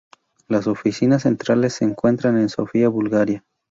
Las oficinas centrales se encuentra en Sofía, Bulgaria.